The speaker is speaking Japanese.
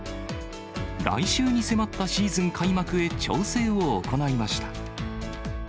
来週に迫ったシーズン開幕へ、調整を行いました。